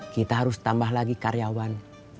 kita harus tambah lagi karyawan